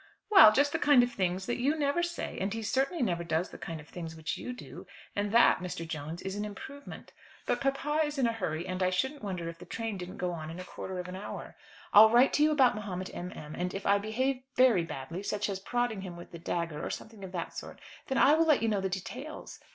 "Well; just the kind of things that you never say. And he certainly never does the kind of things which you do; and that, Mr. Jones, is an improvement. But papa is in a hurry, and I shouldn't wonder if the train didn't go on in a quarter of an hour. I'll write to you about Mahomet M. M.; and if I behave very badly, such as prodding him with the dagger, or something of that sort, then I will let you know the details.